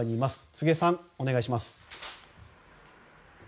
柘植さん、お願いします。